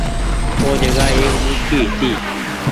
او جگآ ايڪ ٻوڏڪي هيتي۔